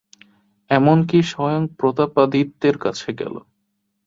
এমন কি স্বয়ং প্রতাপাদিত্যের কাছে গেল।